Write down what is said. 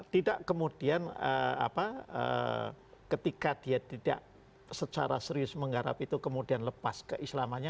tidak kemudian ketika dia tidak secara serius menggarap itu kemudian lepas keislamannya